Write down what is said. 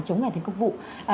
chống người thành công vụ